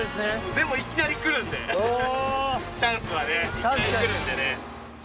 でもいきなり来るんでチャンスはねいきなり来るんでね。